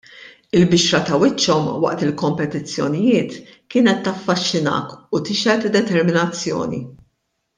Il-bixra ta' wiċċhom waqt il-kompetizzjonijiet kienet taffaxxinak u tixhed determinazzjoni.